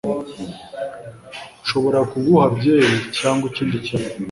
nshobora kuguha byeri cyangwa ikindi kintu